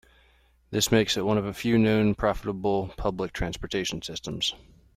This makes it one of a few known profitable public transport systems.